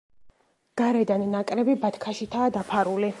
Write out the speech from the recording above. გარედან ნაკრები ბათქაშითაა დაფარული.